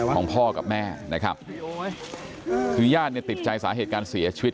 ของพ่อกับแม่นะครับคือญาติเนี่ยติดใจสาเหตุการเสียชีวิต